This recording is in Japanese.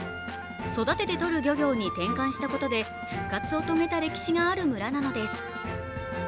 育てて採る漁業に転換したことで復活した歴史がある村なのです。